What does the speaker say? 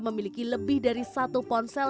memiliki lebih dari satu ponsel